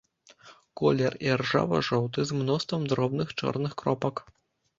Колер іржава-жоўты, з мноствам дробных чорных кропак.